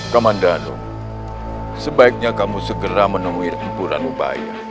kamandano sebaiknya kamu segera menemui guru ranubaya